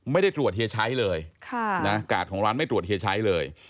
ไม่ได้ตรวจเฮียใช้เลยค่ะนะกาลของร้านไม่ตรวจเฮียใช้เลย